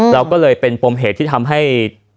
เราก็เลยเป็นปมเหตุที่ทำให้